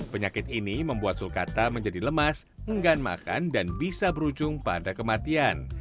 penyakit ini membuat sulkata menjadi lemas enggan makan dan bisa berujung pada kematian